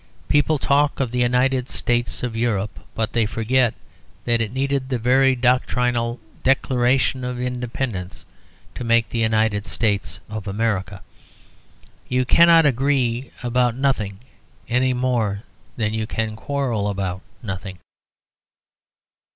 People talk of "The United States of Europe;" but they forget that it needed the very doctrinal "Declaration of Independence" to make the United States of America. You cannot agree about nothing any more than you can quarrel about nothing.